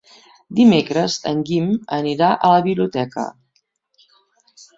Dimecres en Guim anirà a la biblioteca.